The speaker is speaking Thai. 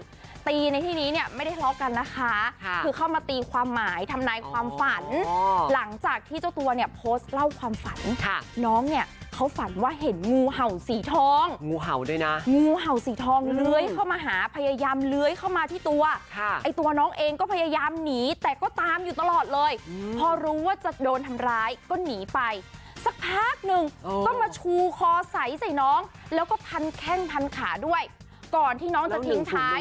ยกใหญ่ตีในที่นี้เนี่ยไม่ได้เลาะกันนะคะคือเข้ามาตีความหมายทำร้ายความฝันหลังจากที่เจ้าตัวเนี่ยโพสต์เล่าความฝันค่ะน้องเนี่ยเขาฝันว่าเห็นงูเห่าสีทองงูเห่าด้วยนะงูเห่าสีทองเลื้อยเข้ามาหาพยายามเลื้อยเข้ามาที่ตัวไอ้ตัวน้องเองก็พยายามหนีแต่ก็ตามอยู่ตลอดเลยพอรู้ว่าจะโดนทำร้ายก็หนีไปสักพักหนึ